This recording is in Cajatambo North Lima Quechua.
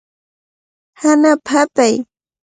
Hanapa hapay.